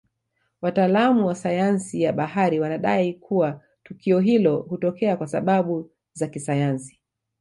Wataalamu wa sayansi ya bahari wanadai kua tukio hilo hutokea kwasababu za kisayansi